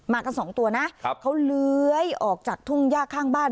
กันสองตัวนะเขาเลื้อยออกจากทุ่งย่าข้างบ้าน